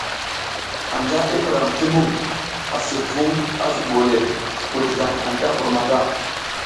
Anja i piram ti mung asi vung a zubole, wurzlang anta pur mata.